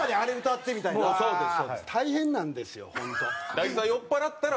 大体酔っ払ったら。